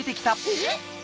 えっ！